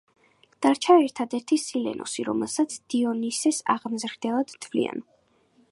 დარჩა ერთადერთი სილენოსი, რომელსაც დიონისეს აღმზრდელად თვლიდნენ.